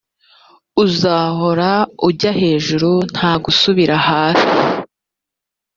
uzahora ujya ejuru nta gusubira hasi,